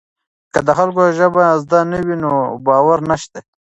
که د خلکو ژبه زده نه وي نو باور نشته.